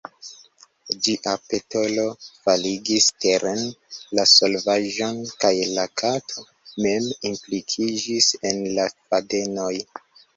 Ĝia petolo faligis teren la volvaĵon kaj la kato mem implikiĝis en la fadenoj.